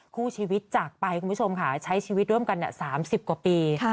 คู่ชีวิตจากไปคุณผู้ชมค่ะใช้ชีวิตร่วมกัน๓๐กว่าปี